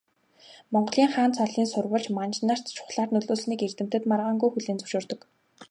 Монголын хаан цолын сурвалж манж нарт чухлаар нөлөөлснийг эрдэмтэд маргаангүй хүлээн зөвшөөрдөг.